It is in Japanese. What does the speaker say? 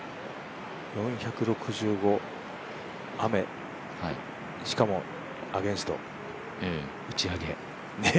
４６５、雨、しかもアゲンスト、打ち上げ。